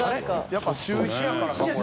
やっぱ週１やからかこれ。